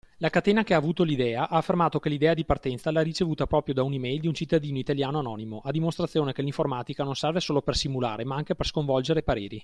La catena che ha avuto l'idea ha affermato che l'idea di partenza l'ha ricevuta proprio da un email di un cittadino italiano anonimo, a dimostrazione che l'informatica non serve solo per simulare ma anche per sconvolgere pareri.